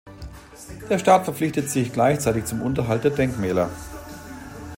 Der Staat verpflichtet sich gleichzeitig zum Unterhalt der Denkmäler.